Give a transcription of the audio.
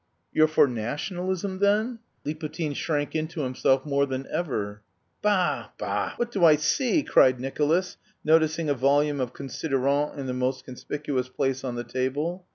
"You're for nationalism, then?" Liputin shrank into himself more than ever. "Bah, bah! What do I see?" cried Nicolas, noticing a volume of Considérant in the most conspicuous place on the table.